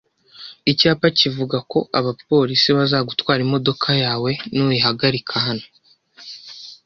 Icyapa kivuga ko abapolisi bazagutwara imodoka yawe nuyihagarika hano.